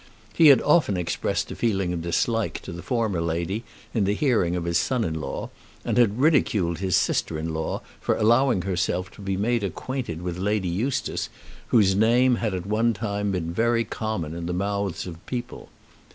He had often expressed a feeling of dislike to the former lady in the hearing of his son in law, and had ridiculed his sister in law for allowing herself to be made acquainted with Lady Eustace, whose name had at one time been very common in the mouths of people.